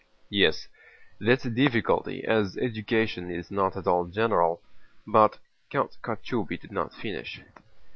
"Yes, that's a difficulty, as education is not at all general, but..." Count Kochubéy did not finish.